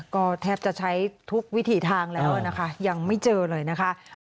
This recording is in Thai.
ก็แทบจะใช้ทุกวิถีทางแล้วนะคะยังไม่เจอเลยนะคะ